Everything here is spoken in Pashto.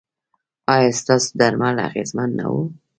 ایا ستاسو درمل اغیزمن نه وو؟